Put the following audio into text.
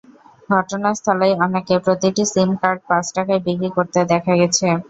ঘটনাস্থলেই অনেককে প্রতিটি সিম কার্ড পাঁচ টাকায় বিক্রি করতে দেখা গেছে।